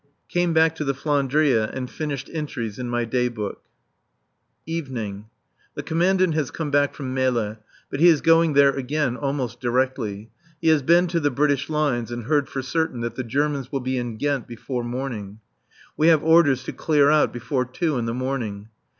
Came back to the "Flandria" and finished entries in my Day Book. [Evening.] The Commandant has come back from Melle; but he is going there again almost directly. He has been to the British lines, and heard for certain that the Germans will be in Ghent before morning. We have orders to clear out before two in the morning.